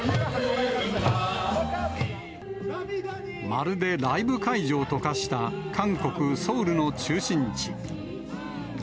まるでライブ会場と化した韓国・ソウルの中心地。